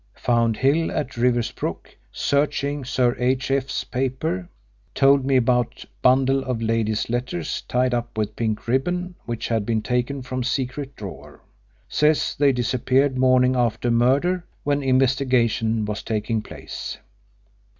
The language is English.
Found Hill at Riversbrook searching Sir H.F.'s papers. Told me about bundle of lady's letters tied up with pink ribbon which had been taken from secret drawer. Says they disappeared morning after murder when investigation was taking place.